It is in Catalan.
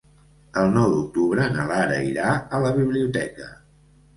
El nou d'octubre na Lara irà a la biblioteca.